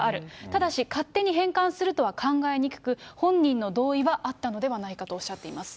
ただし勝手に返還するとは考えにくく、本人の同意あったのではないかとおっしゃっています。